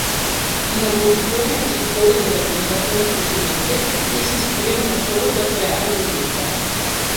In opposizione agli scrittori della generazione precedente, essi scrivevano solo per creare Bellezza.